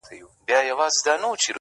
راسره جانانه ~